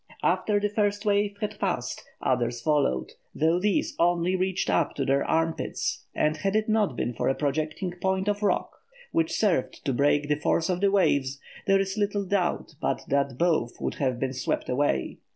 After the first wave had passed, others followed, though these only reached up to their arm pits, and had it not been for a projecting point of rock, which served to break the force of the waves, there is little doubt but that both would have been swept away.